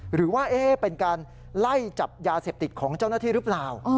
หรือว่าเป็นการไล่จับยาเสพติดของเจ้าหน้าที่หรือเปล่า